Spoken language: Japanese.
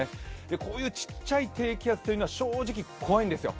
こういうちっちゃい低気圧というのは、正直怖いんですよ。